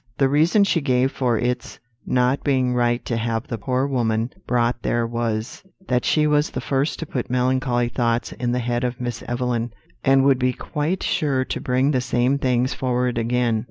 The reason she gave for its not being right to have the poor woman brought there was, that she was the first to put melancholy thoughts in the head of Miss Evelyn, and would be quite sure to bring the same things forward again.